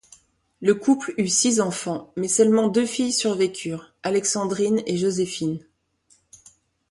Le couple eut six enfants, mais seulement deux filles survécurent – Alexandrine et Joséphine.